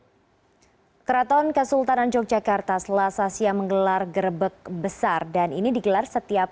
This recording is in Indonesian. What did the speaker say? hai keraton kesultanan yogyakarta selasasia menggelar gerebek besar dan ini digelar setiap